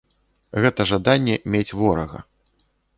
Гэта жаданне мець ворага.